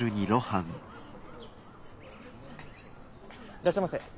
いらっしゃいませ。